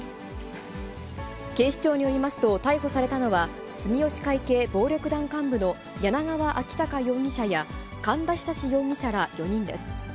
警視庁によりますと、逮捕されたのは、住吉会系暴力団幹部の柳川昭隆容疑者や、寒田久嗣容疑者ら４人です。